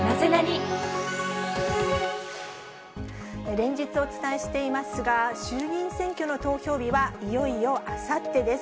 連日お伝えしていますが、衆議院選挙の投票日はいよいよあさってです。